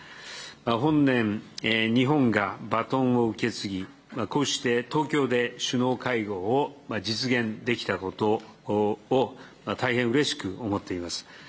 本年、日本がバトンを受け継ぎ、こうして東京で首脳会合を実現できたことを、大変うれしく思っています。